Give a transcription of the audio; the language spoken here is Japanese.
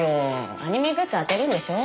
アニメグッズ当てるんでしょ？